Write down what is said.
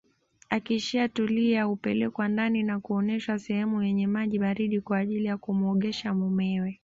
Akishatulia hupelekwa ndani na kuoneshwa sehemu yenye maji baridi kwa ajili ya kumuogesha mumewe